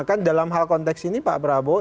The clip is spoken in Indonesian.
kan dalam hal konteks ini pak prabowo